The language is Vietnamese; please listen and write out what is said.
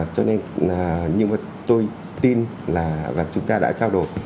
cho nên nhưng mà tôi tin là và chúng ta đã trao đổi